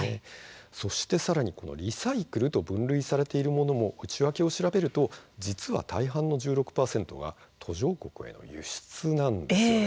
そしてさらにリサイクルと分類されているものも内訳を調べると実は大半の１６％は途上国への輸出なんです。